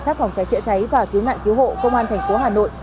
lực lượng phòng cháy chữa cháy và cứu nạn cứu hộ công an thành phố hà nội